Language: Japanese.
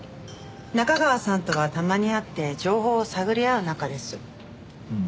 中川さんとはたまに会って情報を探り合う仲です。